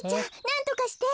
なんとかして。